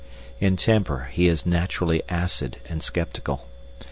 In temper he is naturally acid and sceptical.